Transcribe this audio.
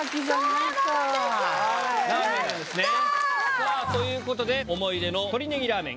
さぁということで思い出の鶏ネギらーめん